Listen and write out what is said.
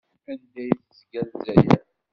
Anda i d-tezga Lezzayer?